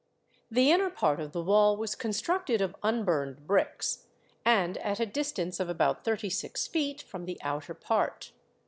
The inner part of the wall was constructed of unburned bricks, and at a distance of about thirty six feet from the outer part.